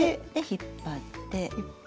引っ張って。